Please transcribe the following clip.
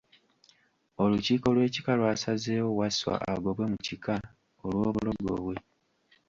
Olukiiko lw'ekika lw'asazzeewo Wasswa agobwe mu kika olw'obulogo bwe.